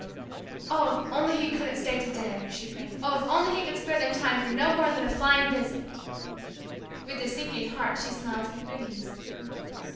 Oh, if he only couldn't stay to dinner, she prayed. Oh, if only he could spare them time for no more than a flying visit! With a sinking heart she smiled her greetings.